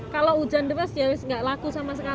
kalau hujan terus dia harus tidak laku sama sekali